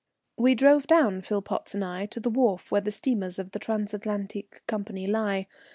We drove down, Philpotts and I, to the wharf where the steamers of the Transatlantique Company lie.